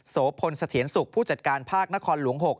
โสพลเสถียรสุขผู้จัดการภาคนครหลวง๖